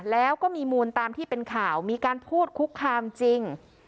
แล้วก็มีมูลตามที่เป็นข่าวมีการพูดคุกคามจริง